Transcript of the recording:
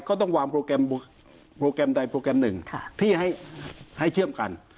เขาต้องวางโปรแกรมไหนโปรแกรมหนึ่งที่ให้เชื่อมกัน